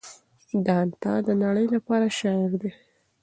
دانته د نړۍ لپاره شاعر دی.